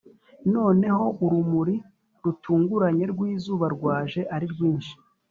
noneho urumuri rutunguranye rw'izuba rwaje ari rwinshi